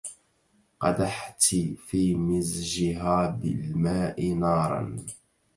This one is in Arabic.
قدحت في مزجها بالماء نارا